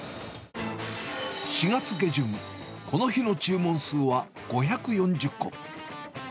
４月下旬、この日の注文数は５４０個。